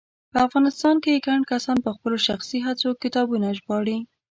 په افغانستان کې ګڼ کسان په خپلو شخصي هڅو کتابونه ژباړي